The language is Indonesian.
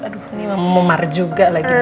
aduh ini memar juga lagi